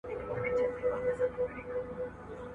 له خلوته مي پر بده لار روان كړل ,